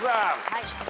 はい。